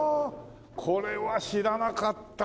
これは知らなかったな。